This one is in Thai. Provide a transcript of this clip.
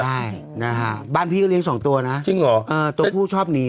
ได้นะฮะบ้านพี่ก็เลี้ยสองตัวนะจริงเหรอเออตัวผู้ชอบหนี